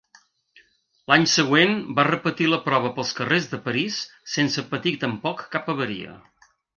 L'any següent va repetir la prova pels carrers de París sense patir tampoc cap avaria.